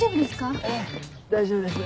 大丈夫ですか？